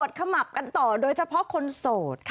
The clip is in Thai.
ขมับกันต่อโดยเฉพาะคนโสดค่ะ